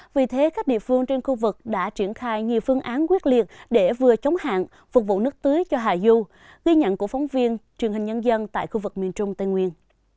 vì thế các địa phương trên khu vực đã triển khai nhiều phương án quyết liệt để vừa chống hạn phục vụ nước tưới cho hà du ghi nhận của phóng viên truyền hình nhân dân tại khu vực miền trung tây nguyên